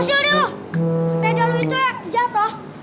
sepeda lu itu ya jatoh